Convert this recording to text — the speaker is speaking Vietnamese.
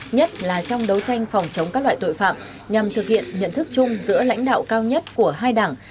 nhất là trong đấu tranh phòng chống các loại tội phạm nhằm thực hiện nhận thức chung giữa lãnh đạo cao nhất của hai đảng